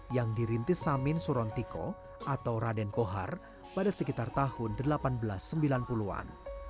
yang dirintis samin surontiko atau raden kohar pada sekitar tahun seribu delapan ratus sembilan puluh an